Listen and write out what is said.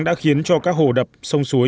đã khiến cho các hồ đập sông suối